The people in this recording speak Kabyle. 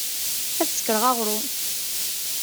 Ad sekreɣ aɣṛum.